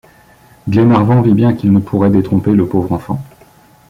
Glenarvan vit bien qu’il ne pourrait détromper le pauvre enfant.